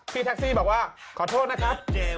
พี่แท็กซี่บอกว่าขอโทษนะครับเจมส